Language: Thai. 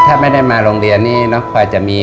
ถ้าได้มาโรงเรียนนี่น้องควายจะมี